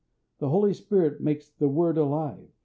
The Holy Spirit makes the word alive.